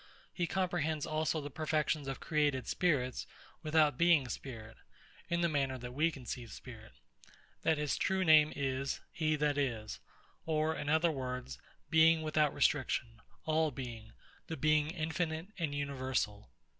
he comprehends also the perfections of created spirits without being spirit, in the manner we conceive spirit: That his true name is, He that is; or, in other words, Being without restriction, All Being, the Being infinite and universal."